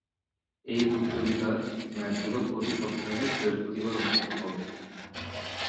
এই প্রতিযোগিতার ম্যাচগুলো প্রতি সপ্তাহের বৃহস্পতিবার অনুষ্ঠিত হবে।